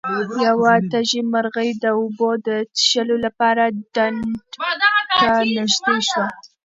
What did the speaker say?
یوه تږې مرغۍ د اوبو د څښلو لپاره ډنډ ته نږدې شوه.